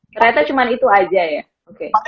ternyata cuma itu aja ya oke